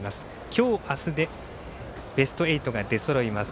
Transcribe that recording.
今日、明日でベスト８が出そろいます。